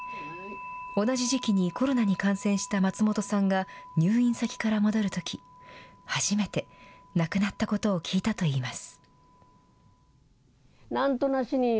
同じ時期にコロナに感染した松本さんが入院先から戻るとき、初めて亡くなったことを聞いたといいます。